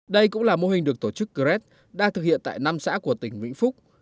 đây cũng là mô hình được tổ chức cred đã thực hiện tại năm xã của tỉnh vĩnh phúc